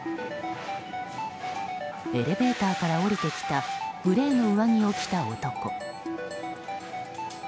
エレベーターから降りてきたグレーの上着を着た男。